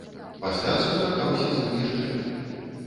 Пасля сустракаўся з ім яшчэ.